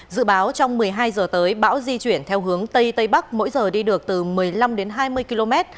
dự báo trong một mươi hai giờ tới bão di chuyển theo hướng tây tây bắc mỗi giờ đi được từ một mươi năm đến hai mươi km